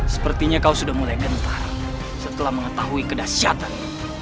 sepertinya kau sudah mulai gentar setelah mengetahui kedahsyatan